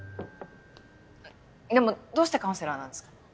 でもどうしてカウンセラーなんですか？